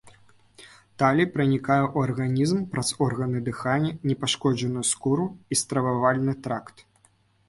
Талій пранікае ў арганізм праз органы дыхання, непашкоджаную скуру і стрававальны тракт.